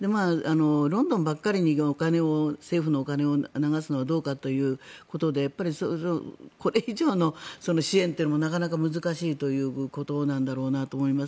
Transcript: ロンドンばっかりに政府のお金を流すのはどうかということでやっぱりこれ以上の支援というのもなかなか難しいということなんだろうなと思います。